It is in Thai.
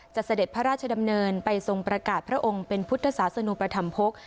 เสด็จพระราชดำเนินไปทรงประกาศพระองค์เป็นพุทธศาสนุปธรรมภก